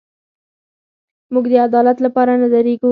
موږ د عدالت لپاره نه درېږو.